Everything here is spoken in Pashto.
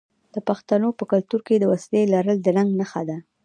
د پښتنو په کلتور کې د وسلې لرل د ننګ نښه ده.